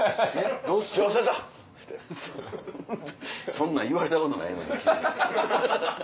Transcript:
そんなん言われたことないのに急に。